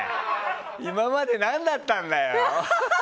今まで何だったんだよ。